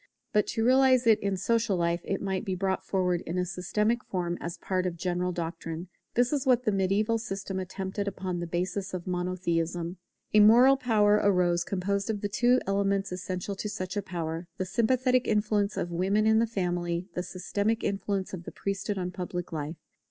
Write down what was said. But to realize it in social life it must be brought forward in a systematic form as part of a general doctrine. This is what the mediaeval system attempted upon the basis of Monotheism. A moral power arose composed of the two elements essential to such a power, the sympathetic influence of women in the family, the systematic influence of the priesthood on public life.